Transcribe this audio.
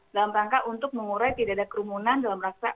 dalam rangka untuk mengurai tidak ada kerumunan dalam rangka